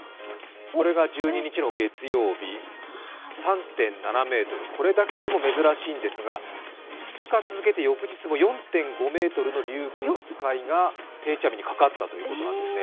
これが１２日の月曜日、３．７ｍ、これだけでも珍しいんですが、２日続けて、翌日も４．６ｍのリュウグウノツカイが定置網にかかったということなんですね。